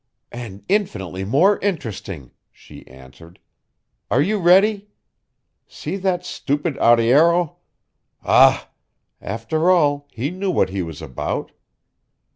"And infinitely more interesting," she answered. "Are you ready? See that stupid arriero! Ah! After all, he knew what he was about.